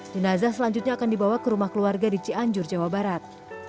jenazah selanjutnya akan dibawa ke rumah keluarga di cianjur jawa barat